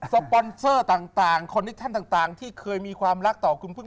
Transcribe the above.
ปอนเซอร์ต่างคอนดิชั่นต่างที่เคยมีความรักต่อคุณพึ่ง